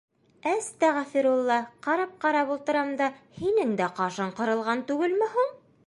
— Әстәғәфирулла, ҡарап-ҡарап ултырам да, һинең дә ҡашың ҡырылған түгелме һуң?